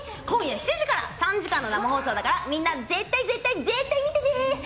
今夜７時から３時間の生放送だから、みんな絶対絶対絶対見てね。